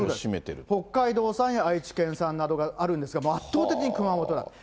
北海道産や愛知県産などがあるんですが、圧倒的に熊本だ。